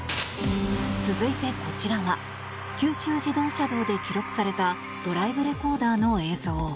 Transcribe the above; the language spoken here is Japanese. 続いて、こちらは九州自動車道で記録されたドライブレコーダーの映像。